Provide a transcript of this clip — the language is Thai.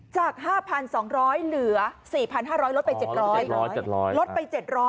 จาก๕๒๐๐บาทเหลือ๔๕๐๐บาทลดไป๗๐๐บาท